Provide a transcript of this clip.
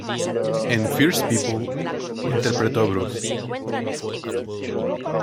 En "Fierce People", interpretó a Bruce.